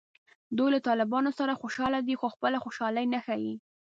دوی له طالبانو سره خوشحاله دي خو خپله خوشحالي نه ښیي